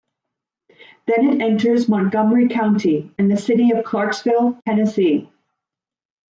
Then it enters Montgomery County and the city of Clarksville, Tennessee.